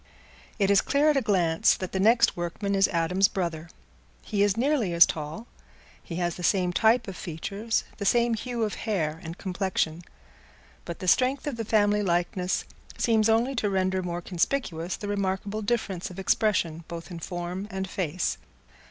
It is clear at a glance that the next workman is Adam's brother. He is nearly as tall; he has the same type of features, the same hue of hair and complexion; but the strength of the family likeness seems only to render more conspicuous the remarkable difference of expression both in form and face.